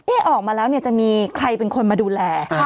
เอ๊ะออกมาแล้วจะมีใครเป็นคนมาดูแล